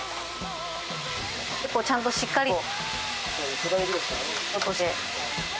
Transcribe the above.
結構ちゃんとしっかりと。